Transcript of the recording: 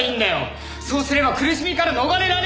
そうすれば苦しみから逃れられるんだ！